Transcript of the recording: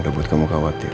itu buat kamu khawatir